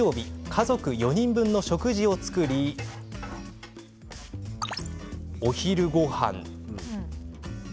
家族４人分の食事を作りお昼ごはん。